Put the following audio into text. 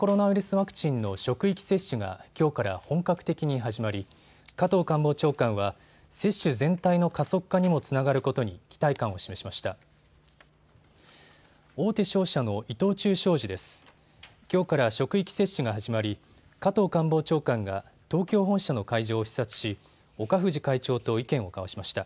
ワクチンの職域接種がきょうから本格的に始まり、加藤官房長官は接種全体の加速化にもつながることに期待感を示しました。